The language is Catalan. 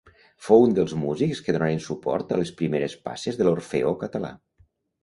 Fou un dels músics que donaren suport a les primeres passes de l'Orfeó Català.